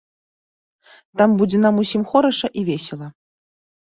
Там будзе нам усім хораша і весела.